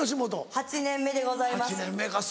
８年目でございます。